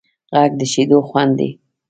غږ د شیدو خوند دی